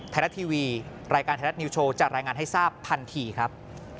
ไทยรัฐทีวีรายการไทยรัฐนิวโชว์จะรายงานให้ทราบทันทีครับ